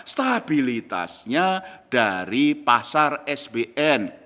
stabilitasnya dari pasar sbn